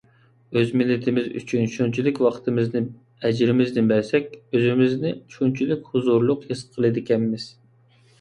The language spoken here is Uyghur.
ئۆز مىللىتىمىز ئۈچۈن مۇشۇنچىلىك ۋاقتىمىزنى، ئەجرىمىزنى بەرسەك، ئۆزىمىزنى شۇنچىلىك ھۇزۇرلۇق ھېس قىلىدىكەنمىز.